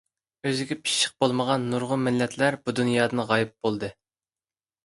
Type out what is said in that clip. ئۆزىگە پىششىق بولمىغان نۇرغۇن مىللەتلەر بۇ دۇنيادىن غايىب بولدى.